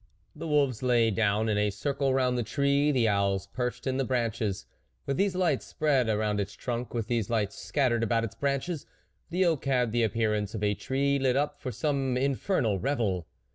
The wolves lay down in a circle round the tree ; the owls perched in the branches. With these lights spread around its trunk, with these lights scattered about its branches, the oak had the appearance of a tree lit up for some infernal revel.